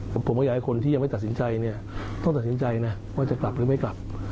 ผมก็อยากให้คนที่ยังไม่ตัดสินใจเนี่ยต้องตัดสินใจนะว่าจะกลับหรือไม่กลับ